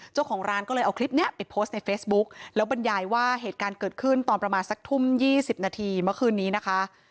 เจ้าของร้านก็เลยเอาคลิปนี้ไปโพสต์ในเฟซบุ๊กแล้วบรรยายว่าเหตุการณ์เกิดขึ้นตอนประมาณสักทุ่ม๒๐นาทีเมื่อคืนนี้นะคะ